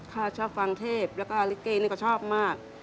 เขาชอบฟังเทศแล้วก็ลิกเกย์เนี่ยเขาชอบมาก